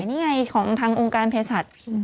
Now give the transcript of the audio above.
นี่ไงของทางองค์การเพชร